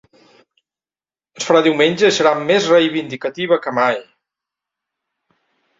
Es farà diumenge i serà més reivindicativa que mai.